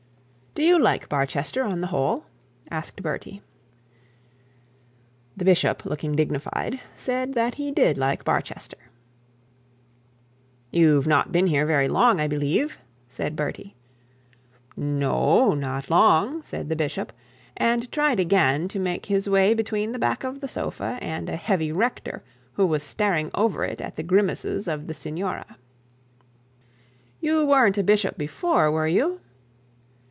'Do you like Barchester on the whole?' asked Bertie. The bishop, looking dignified, said that he did like Barchester. 'You've not been here very long, I believe,' said Bertie. 'No not long,' said the bishop, and tried again to make his way between the back of the sofa and a heavy rector, who was staring over it at the grimaces of the signora. 'You weren't a bishop before, were you?'